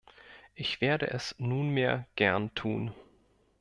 Ich werde es nunmehr gern tun.